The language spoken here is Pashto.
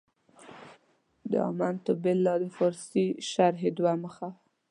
د امنت بالله د پارسي شرحې دوه مخه و.